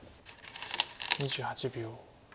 ２８秒。